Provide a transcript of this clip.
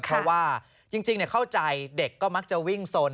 เพราะว่าจริงเข้าใจเด็กก็มักจะวิ่งสน